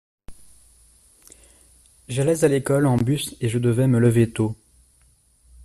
J’allais à l’école en bus et je devais me lever tôt.